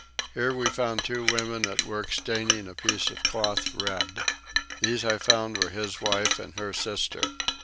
Here we found two women at work staining a piece of cloth red. These I found were his wife and her sister.